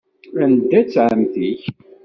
Anda-tt ɛemmti-k?